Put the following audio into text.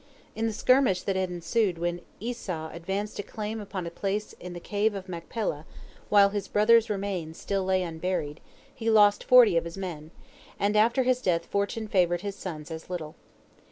In the skirmish that had ensued when Esau advanced a claim upon a place in the Cave of Machpelah, while his brother's remains still lay unburied, he lost forty of his men, and after his death fortune favored his sons as little.